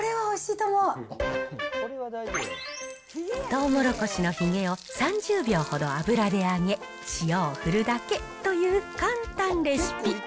とうもろこしのひげを３０秒ほど油で揚げ、塩を振るだけという簡単レシピ。